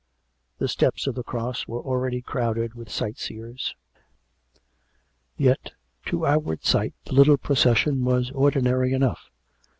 The steps of the Cross were already crowded with sight seers. Yet, to outward sight, the little procession was ordinary enough.